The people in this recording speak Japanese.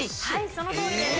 そのとおりです。